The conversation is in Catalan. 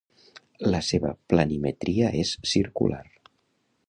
La seva planimetria és circular.